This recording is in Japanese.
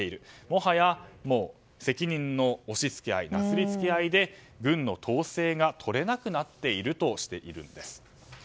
もはや責任のなすり付け合いで軍の統制が取れなくなっているとしているんです。